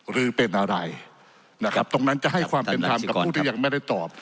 หรือเป็นอะไรนะครับตรงนั้นจะให้ความเป็นธรรมกับผู้ที่ยังไม่ได้ตอบ